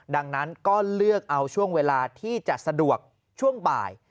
ดังนั้นก็เลือกเอาช่วงเวลาที่จะสะดวกช่วงบ่าย